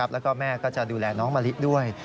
แล้วก็แม่ก็จะดูแลน้องมะลิด้วย